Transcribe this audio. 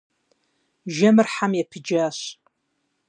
Жэмыр хьэм епыджащ.